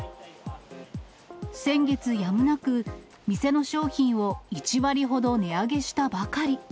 先月、やむなく店の商品を１割ほど値上げしたばかり。